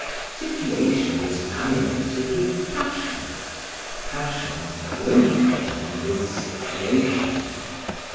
Situation is animated with passion, passion clothed upon with situation.